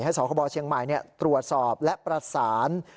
สคบเชียงใหม่ตรวจสอบและประสาน